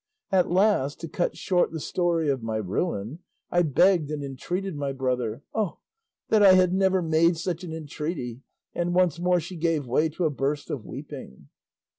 At last, to cut short the story of my ruin, I begged and entreated my brother O that I had never made such an entreaty—" And once more she gave way to a burst of weeping.